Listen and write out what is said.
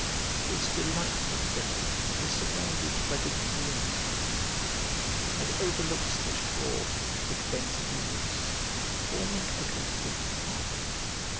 This delightful villa is surrounded by the greenest meadows, and overlooks the shore, which bends inwards, forming a complete harbour.